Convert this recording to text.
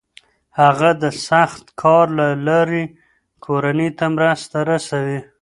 هغه د سخت کار له لارې کورنۍ ته مرسته رسوي.